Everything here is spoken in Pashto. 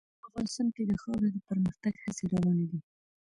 افغانستان کې د خاوره د پرمختګ هڅې روانې دي.